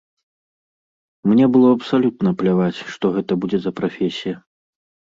Мне было абсалютна пляваць, што гэта будзе за прафесія.